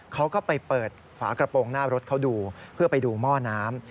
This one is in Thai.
เขาก็ไปเปิดฝากระโปรงหน้ารถเขาดูเพื่อไปดูหม้อน้ำ